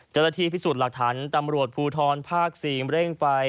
เจ้าหน้าที่พิสูจน์หลักฐานตำรวจภูทรภาค๔เร่งไป